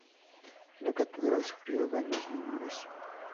La catedral sufrió daños menores.